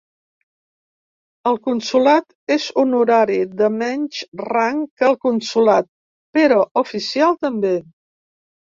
El consolat és honorari, de menys rang que el consolat, però oficial també.